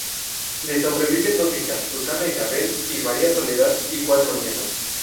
Le sobreviven dos hijas, Susana Isabel y María Soledad, y cuatro nietos.